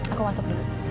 aku masuk dulu